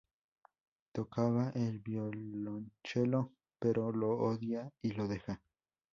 Tocaba el violonchelo, pero lo odia y lo deja.